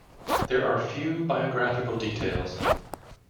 There are few biographical details.